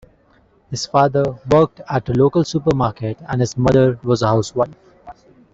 His father worked at a local supermarket and his mother was a housewife.